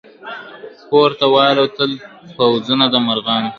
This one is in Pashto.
پورته والوتل پوځونه د مرغانو !.